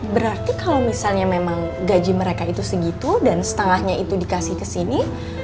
berarti kalau gaji mereka itu segitu dan setengahnya itu dikasih kesini